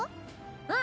うん。